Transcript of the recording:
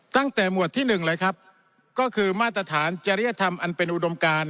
ตั้งแต่หมวดที่๑เลยครับก็คือมาตรฐานจริยธรรมอันเป็นอุดมการ